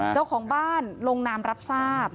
เจ้าของบ้านลงนามรับทราบ